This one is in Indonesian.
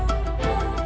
nih aku tidur